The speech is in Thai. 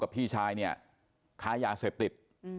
พี่ชายเนี่ยค้ายาเสพติด